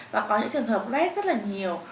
và có những trường hợp lét rất là nhiều